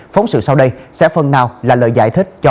phóng sự sau đây sẽ phần nào là lời giải thích